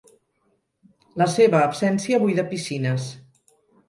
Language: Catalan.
La seva absència buida piscines.